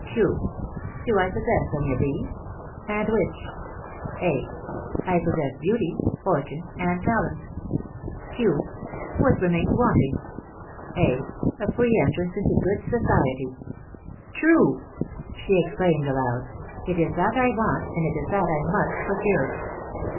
Q. Do I possess any of these ?.... and which ? A. I possess beauty, fortune, and talents. Q. What remains wanting ? A. A free entrance into good society. " True !" she exclaimed aloud, " it is that I want, and it is that I must procure."